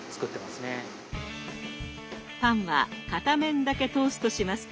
パンは片面だけトーストします。